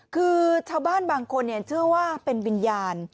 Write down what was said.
คือชาวบ้านบางคนเชื่อว่าเป็นวิญญาณ